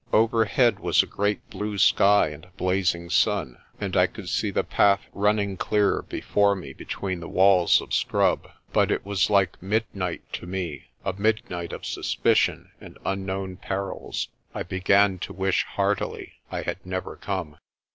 Overhead was a great blue sky and a blazing sun, and I could see the path running clear before me between the walls of scrub. But it was like mid night to me, a midnight of suspicion and unknown perils. I began to wish heartily I had never come.